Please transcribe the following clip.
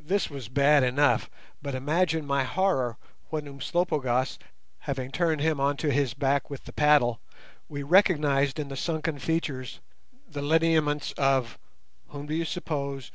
This was bad enough, but imagine my horror when Umslopogaas having turned him on to his back with the paddle, we recognized in the sunken features the lineaments of—whom do you suppose?